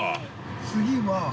次は。